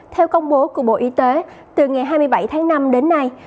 theo công bố của bộ y tế từ ngày hai mươi bảy tháng năm đến nay